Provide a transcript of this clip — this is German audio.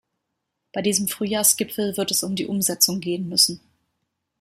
Bei diesem Frühjahrsgipfel wird es um die Umsetzung gehen müssen.